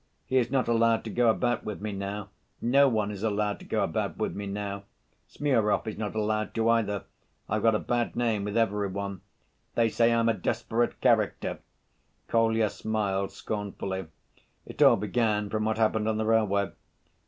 He is not allowed to go about with me now, no one is allowed to go about with me now. Smurov is not allowed to either, I've got a bad name with every one. They say I'm a 'desperate character,' " Kolya smiled scornfully. "It all began from what happened on the railway."